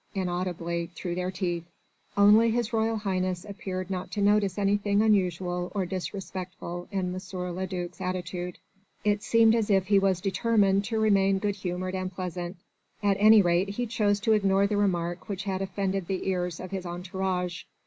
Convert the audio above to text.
inaudibly through their teeth. Only His Royal Highness appeared not to notice anything unusual or disrespectful in M. le duc's attitude. It seemed as if he was determined to remain good humoured and pleasant. At any rate he chose to ignore the remark which had offended the ears of his entourage.